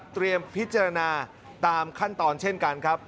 พิจารณาตามขั้นตอนเช่นกันครับ